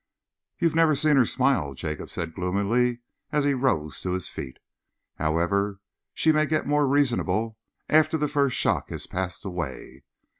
"You've never seen her smile," Jacob said gloomily, as he rose to his feet. "However, she may get more reasonable after the first shock has passed away....